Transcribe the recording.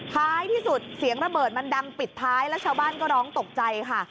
ท้ายที่สุดเสียงระเบิดมันดังปิดท้ายแล้วชาวบ้านก็ร้องตกใจค่ะ